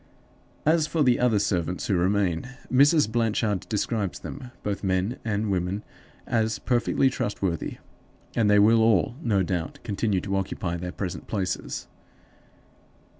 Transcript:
As for the other servants who remain, Mrs. Blanchard describes them, both men and women, as perfectly trustworthy, and they will all, no doubt, continue to occupy their present places.